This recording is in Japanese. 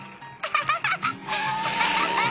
ハハハハ！